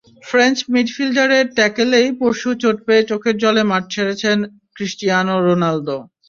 French মিডফিল্ডারের ট্যাকলেই পরশু চোট পেয়ে চোখের জলে মাঠ ছেড়েছেন ক্রিস্টিয়ানো রোনালদো।